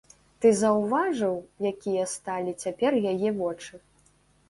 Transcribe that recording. Ты заўважыў, якія сталі цяпер яе вочы?